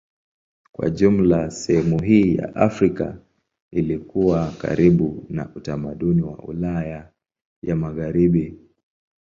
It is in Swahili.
Kwa jumla sehemu hii ya Afrika ilikuwa karibu na utamaduni wa Ulaya ya Magharibi.